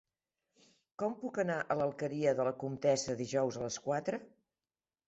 Com puc anar a l'Alqueria de la Comtessa dijous a les quatre?